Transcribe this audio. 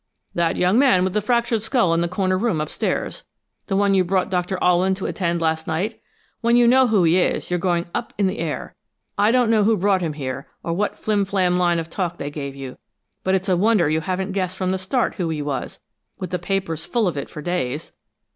"That young man with the fractured skull in the corner room upstairs the one you brought Doctor Alwyn to attend last night when you know who he is you're going up in the air! I don't know who brought him here, or what flim flam line of talk they gave you, but it's a wonder you haven't guessed from the start who he was, with the papers full of it for days!